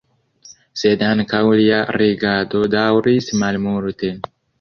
Sed ankaŭ lia reĝado daŭris malmulte.